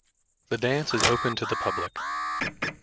The dance is open to the public.